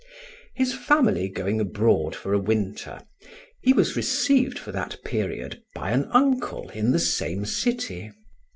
His family going abroad for a winter, he was received for that period by an uncle in the same city.